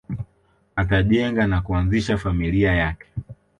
Atajenga na kuanzisha familia yake